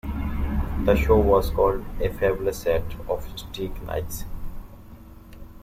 The show was called "A Fabulous Set of Steak Knives".